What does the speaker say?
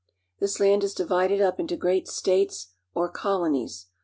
This land is divided up into great states or colo nies.